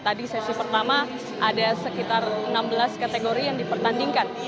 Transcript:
tadi sesi pertama ada sekitar enam belas kategori yang dipertandingkan